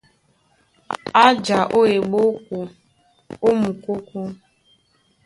A ja ó eɓóko ó mukókó.